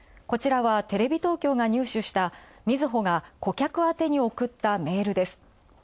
こちらはテレビ東京が入手したみずほが顧客宛に送ったメールです。